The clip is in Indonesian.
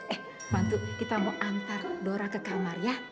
eh bantu kita mau antar dora ke kamar ya